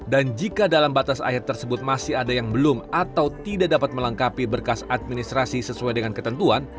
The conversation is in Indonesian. dan jika dalam batas akhir tersebut masih ada yang belum atau tidak dapat melengkapi berkas administrasi sesuai dengan ketentuan